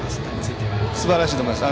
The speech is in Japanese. すばらしいと思います。